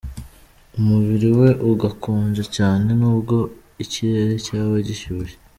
Umubiri we ugakonja cyane nubwo ikirere cyaba gishyushye.